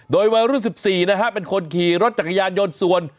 โดยวัยรุ่น๑๔นะฮะเป็นคนขี่รถจักรยานยนต์ส่วน